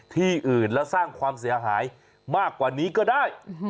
ที่อื่นแล้วสร้างความเสียหายมากกว่านี้ก็ได้